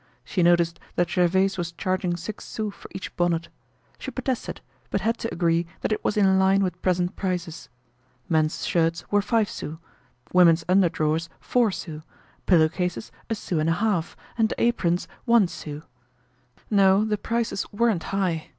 She noticed that Gervaise was charging six sous for each bonnet. She protested, but had to agree that it was in line with present prices. Men's shirts were five sous, women's underdrawers four sous, pillow cases a sou and a half, and aprons one sou. No, the prices weren't high.